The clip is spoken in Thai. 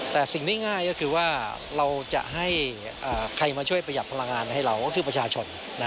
แต่สิ่งที่ง่ายก็คือว่าเราจะให้ใครมาช่วยประหยัดพลังงานให้เราก็คือประชาชน